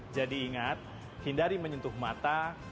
jadi ingat hindari menyentuh mata hidung